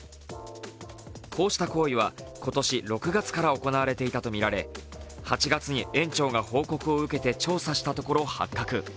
こうした行為は今年６月から行われていたとみられ、８月に園長が報告を受けて調査したところ発覚。